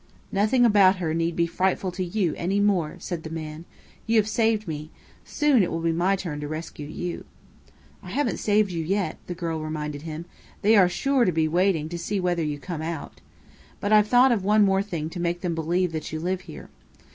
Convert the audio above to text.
"Nothing about her need be frightful to you any more," said the man. "You have saved me. Soon it will be my turn to rescue you." "I haven't saved you yet," the girl reminded him. "They are sure to be waiting to see whether you come out. But I've thought of one more thing to make them believe that you live here.